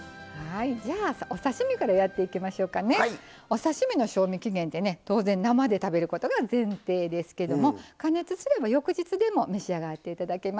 お刺身の賞味期限ってね当然生で食べることが前提ですけども加熱すれば翌日でも召し上がって頂けます。